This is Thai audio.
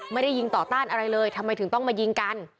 ไม่ได้ยิงต่อต้านอะไรเลยทำไมถึงต้องมายิงกัน